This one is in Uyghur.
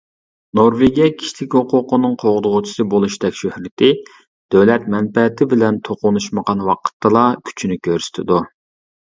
نورۋېگىيە كىشىلىك ھوقۇقنىڭ قوغدىغۇچىسى بولۇشتەك شۆھرىتى دۆلەت مەنپەئەتى بىلەن توقۇنۇشمىغان ۋاقىتتىلا كۈچىنى كۆرسىتىدۇ.